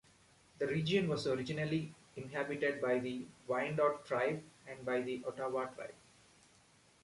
The region was originally inhabited by the Wyandot tribe and by the Ottawa tribe.